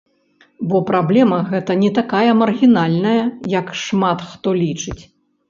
Бо праблема гэта не такая маргінальная, як шмат хто лічыць.